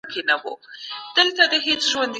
کافي بودیجه د څېړنې لپاره نده ورکړل شوې.